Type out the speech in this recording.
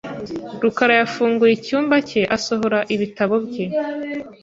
rukara yafunguye icyumba cye asohora ibitabo bye .